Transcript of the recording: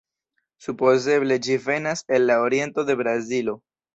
Supozeble ĝi venas el la oriento de Brazilo.